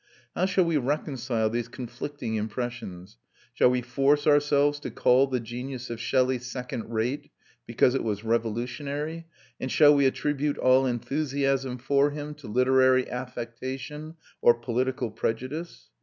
How shall we reconcile these conflicting impressions? Shall we force ourselves to call the genius of Shelley second rate because it was revolutionary, and shall we attribute all enthusiasm for him to literary affectation or political prejudice?